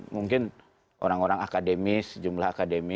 mungkin orang orang akademis jumlah akademis